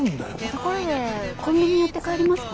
ところでコンビニ寄って帰りますか？